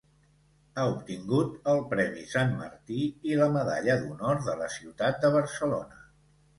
Ha obtingut el Premi Sant Martí i la Medalla d'Honor de la Ciutat de Barcelona.